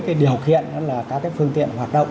cái điều kiện các phương tiện hoạt động